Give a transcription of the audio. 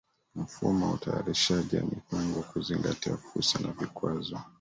Mfumo wa utayarishaji wa mipango kwa kuzingatia Fursa na Vikwazo